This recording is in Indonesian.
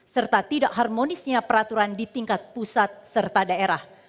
serta tidak harmonisnya peraturan di tingkat pusat serta daerah